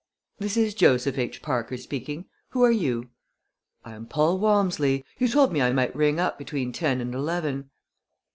"This is Joseph H. Parker speaking. Who are you?" "I am Paul Walmsley. You told me I might ring up between ten and eleven."